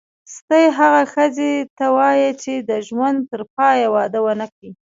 ستۍ هغه ښځي ته وايي چي د ژوند ترپایه واده ونه کي.